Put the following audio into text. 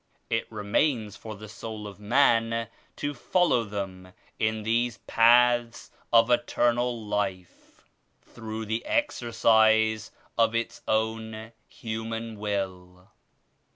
It remains for the soul of man to follow them in these paths of eternal life, through the exercise of its own human will.